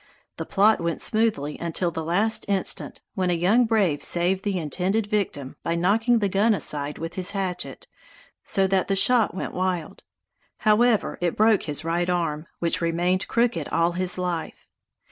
The plot went smoothly until the last instant, when a young brave saved the intended victim by knocking the gun aside with his hatchet, so that the shot went wild. However, it broke his right arm, which remained crooked all his life.